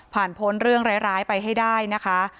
พ้นเรื่องร้ายไปให้ได้นะคะ